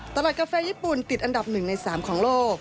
ตลาดกาแฟญี่ปุ่นติดอันดับนึงในสามของโลก